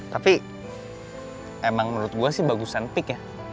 tapi emang menurut gue sih bagusan peak ya